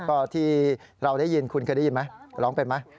ก็ที่เราได้ยินคุณเคยได้ยินไหมร้องเป็นไหม